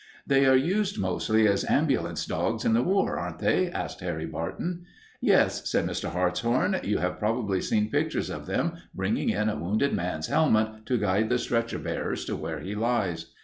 "They are used mostly as ambulance dogs in the war, aren't they?" asked Harry Barton. "Yes," said Mr. Hartshorn. "You have probably seen pictures of them bringing in a wounded man's helmet, to guide the stretcher bearers to where he lies.